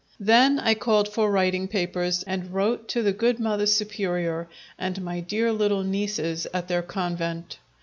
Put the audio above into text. Then I called for writing papers and wrote to the good Mother Superior and my dear little nieces at their convent.